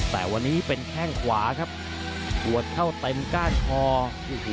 แต่วันนี้เป็นแข้งขวาครับปวดเข้าเต็มก้านคอโอ้โห